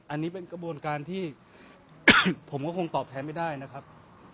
อันนี้เป็นกระบวนการที่ผมก็คงตอบแทนไม่ได้นะครับ